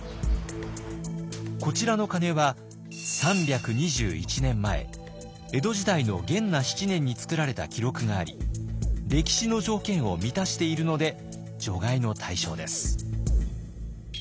こちらの鐘は３２１年前江戸時代の元和７年に作られた記録があり歴史の条件を満たしているので除外の対象です。